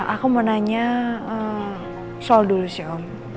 aku mau nanya soal dulu sih om